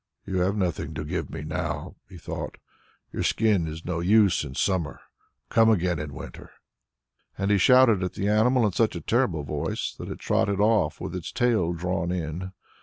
"You have nothing to give me now," he thought. "Your skin is no use in summer. Come again in winter." And he shouted at the animal in such a terrible voice, that it trotted off with its tail drawn in.